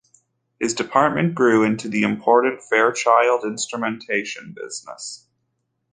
His department grew into the important Fairchild Instrumentation business.